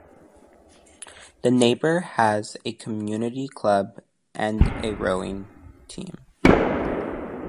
The neighborhood has a community club and a rowing team.